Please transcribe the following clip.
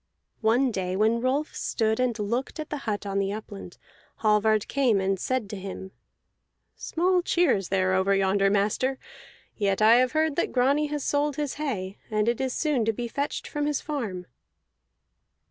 One day when Rolf stood and looked at the hut on the upland, Hallvard came to him and said, "Small cheer is there over yonder, master; yet I have heard that Grani has sold his hay, and it is soon to be fetched from his farm."